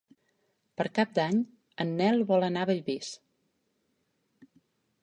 Per Cap d'Any en Nel vol anar a Bellvís.